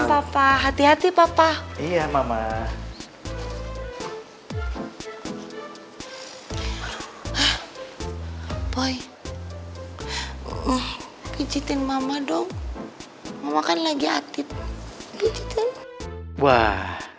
papa hati hati papa iya mama hai ah boy uh pijetin mama dong makan lagi atip gitu wah